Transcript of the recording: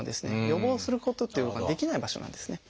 予防することっていうのができない場所なんですね。